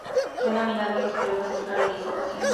Fue nominado a los Premios Óscar en diez ocasiones.